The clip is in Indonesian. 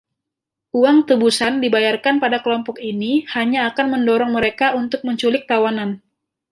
Uang tebusan dibayarkan pada kelompok ini hanya akan mendorong mereka untuk menculik tawanan.